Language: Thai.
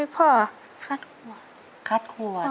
พ่อคัดขวด